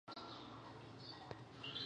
ملالۍ بیرغ نیسي.